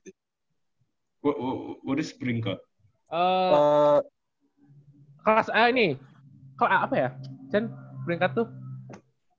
kelas a ini kelas a apa ya cyan peringkat tuh